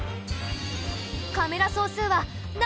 カメラ総数はな